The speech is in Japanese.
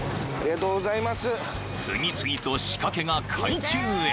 ［次々と仕掛けが海中へ］